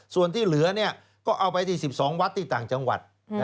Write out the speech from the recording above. ส่วนที่เหลือก็เอาไปที่๑๒วัดที่ต่างจังหวัด